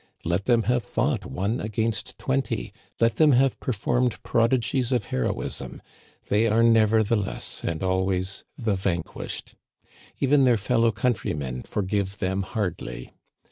Let them have fought one against twenty, let them have performed prodigies of heroism, they are nevertheless and always the vanquished. Even their fellow countrymen forgive them hardly.